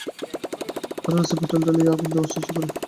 তারা রাস্তায় পেট্রল ঢেলে আগুন দেওয়ার চেষ্টা করলে পুলিশ বাধা দেয়।